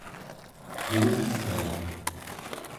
qelutviaq